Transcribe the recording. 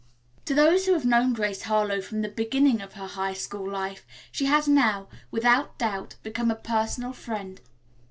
To those who have known Grace Harlowe from the beginning of her high school life she has now, without doubt, become a personal friend.